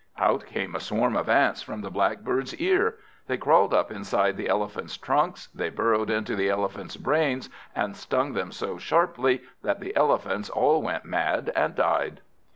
Out came a swarm of Ants from the Blackbird's ear. They crawled up inside the Elephants' trunks, they burrowed into the Elephants' brains, and stung them so sharply that the Elephants all went mad, and died.